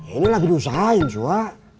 ini lagi diusahain suah